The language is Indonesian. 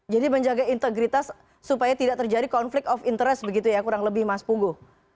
jadi menjaga integritas supaya tidak terjadi konflik of interest begitu ya kurang lebih mas punggo